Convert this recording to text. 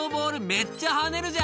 めっちゃ跳ねるじゃん」